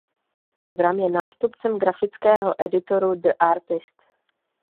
Program je nástupcem grafického editoru The Artist.